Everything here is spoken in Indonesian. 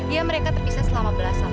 ya mereka terpisah selama belasan